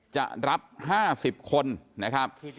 จะรับ๕๐คนนะครับ